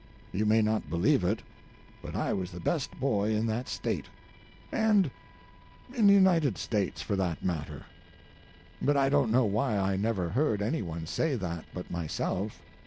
You may not believe it, but I was the best boy in that State—and in the United States, for that matter. But I don't know why I never heard any one say that but myself.